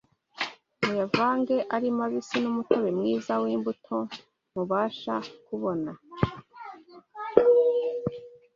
Muyavange ari mabisi n’umutobe mwiza w’imbuto mubasha kubona